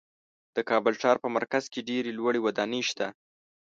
د کابل ښار په مرکز کې ډېرې لوړې ودانۍ شته.